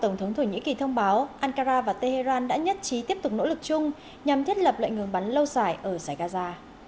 tổng thống thổ nhĩ kỳ thông báo ankara và tehran đã nhất trí tiếp tục nỗ lực chung nhằm thiết lập lệnh ngừng bắn lâu dài ở giải gaza